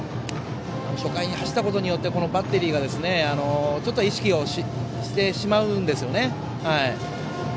初回に走ったことによってバッテリーが、ちょっと意識をしてしまうんですね。